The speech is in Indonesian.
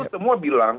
itu semua bilang